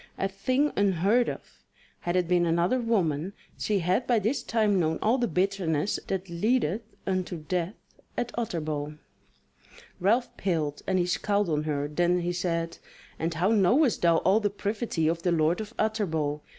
A thing unheard of. Had it been another woman she had by this time known all the bitterness that leadeth unto death at Utterbol." Ralph paled and he scowled on her, then he said: "And how knowest thou all the privity of the Lord of Utterbol?